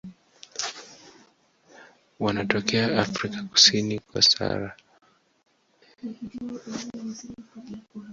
Wanatokea Afrika kusini kwa Sahara katika maeneo mbalimbali.